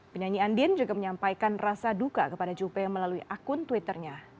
penyanyi andin juga menyampaikan rasa duka kepada juppe melalui akun twitternya